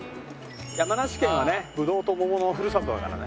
山梨県はねぶどうともものふるさとだからね。